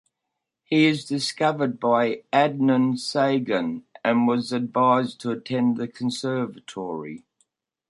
He is discovered by Adnan Saygun and was advised to attend the conservatory.